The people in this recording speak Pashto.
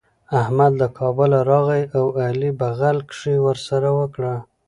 احمد له کابله راغی او علي بغل کښي ورسره وکړه.